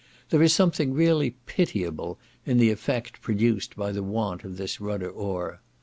There is something really pitiable in the effect produced by the want of this rudder oar.